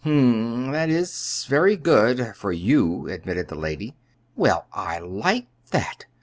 "Hm m; that is very good for you," admitted the lady. "Well, I like that!